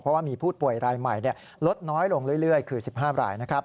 เพราะว่ามีผู้ป่วยรายใหม่ลดน้อยลงเรื่อยคือ๑๕รายนะครับ